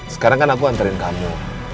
sekarang kan aku antarin kamu